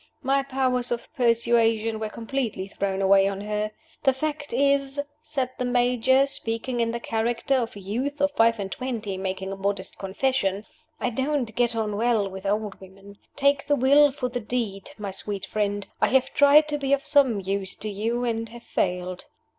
My powers of persuasion were completely thrown away on her. The fact is," said the Major, speaking in the character of a youth of five and twenty making a modest confession, "I don't get on well with old women. Take the will for the deed, my sweet friend. I have tried to be of some use to you and have failed."